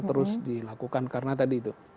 terus dilakukan karena tadi itu